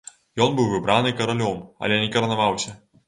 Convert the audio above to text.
Ён быў выбраны каралём, але не каранаваўся.